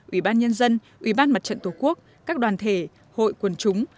ủy ban nhân dân ủy ban mặt trận tổ quốc các đoàn thể hội quần chúng